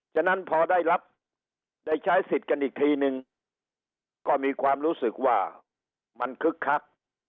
ฉะนั้นพอได้รับได้ใช้สิทธิ์กันอีกทีนึงก็มีความรู้สึกว่ามันคึกคัก